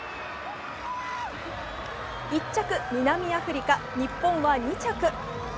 １着・南アフリカ、日本は２着。